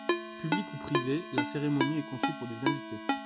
Publique ou privée, la cérémonie est conçue pour des invités.